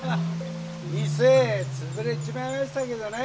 店潰れちまいましたけどね